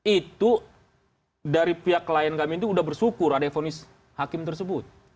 itu dari pihak klien kami itu sudah bersyukur ada fonis hakim tersebut